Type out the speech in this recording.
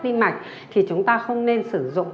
tin mạch thì chúng ta không nên sử dụng